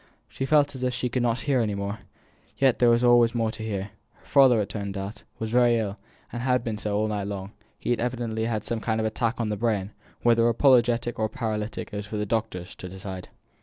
She felt as if she could not hear any more; yet there was more to hear. Her father, as it turned out, was very ill, and had been so all night long; he had evidently had some kind of attack on the brain, whether apoplectic or paralytic it was for the doctors to decide.